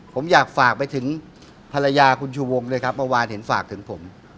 ผมอยากฝากไปถึงภรรยาคุณชูวงด้วยครับเมื่อวานเห็นฝากถึงผม